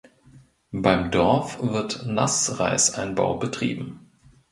Beim Dorf wird Nassreisanbau betrieben.